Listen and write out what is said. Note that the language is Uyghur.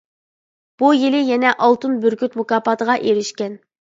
شۇ يىلى يەنە «ئالتۇن بۈركۈت» مۇكاپاتىغا ئېرىشكەن.